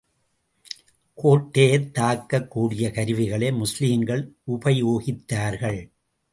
கோட்டையைத் தாக்கக் கூடிய கருவிகளை முஸ்லிம்கள் உபயோகித்தார்கள்.